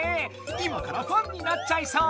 今からファンになっちゃいそう！